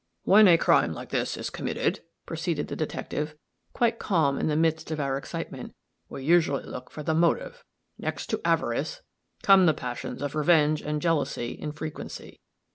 "When a crime like this is committed," proceeded the detective, quite calm in the midst of our excitement, "we usually look for the motive. Next to avarice come the passions of revenge and jealousy in frequency.